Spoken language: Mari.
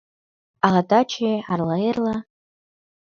Ала таче, ала эрла -